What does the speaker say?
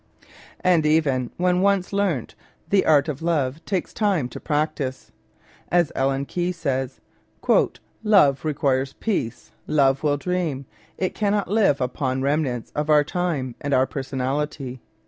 And even when once learnt, the Art of Love takes time to practise. As Ellen Key says, " Love requires peace, love will dream; it cannot live upon the rem nants of our time and our personality."